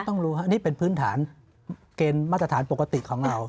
ต้องรู้ครับนี่เป็นพื้นฐานเกณฑ์มาตรฐานปกติของเรา